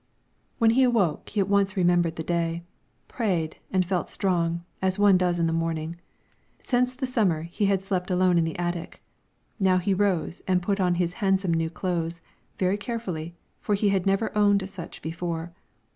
When he awoke he at once remembered the day, prayed, and felt strong, as one does in the morning. Since the summer, he had slept alone in the attic; now he rose, and put on his handsome new clothes, very carefully, for he had never owned such before.